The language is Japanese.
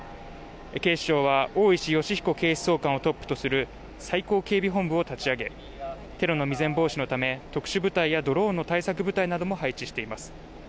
警視庁は大石吉彦警視総監をトップとする最高警備本部を立ち上げテロの未然防止のため特殊部隊やドローンの対策部隊なども配置しています